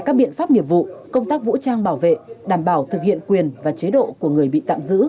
các biện pháp nghiệp vụ công tác vũ trang bảo vệ đảm bảo thực hiện quyền và chế độ của người bị tạm giữ